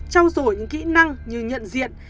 trau dồi những kỹ năng như nhận diện